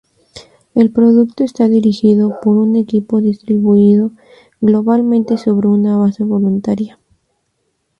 El producto está dirigido por un equipo distribuido globalmente sobre una base voluntaria.